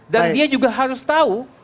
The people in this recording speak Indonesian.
dan dia juga harus tahu